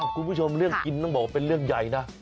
คุณผู้ชมเรื่องกินต้องบอกว่าเป็นเรื่องใหญ่นะ